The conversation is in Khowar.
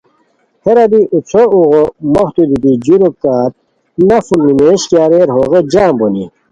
ہیرا بی اوڅھو اوغو موختو دیتی، جو رکعت نفل نیمیژ کی اریر ہو غیچ جم بونی